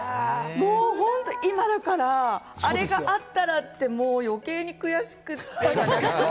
本当に今だから、あれがあったらって、余計に悔しくって。